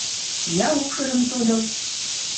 Я укшыжым тодыл